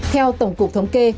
theo tổng cục thống kê